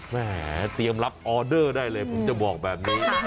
แหมเตรียมรับออเดอร์ได้เลยผมจะบอกแบบนี้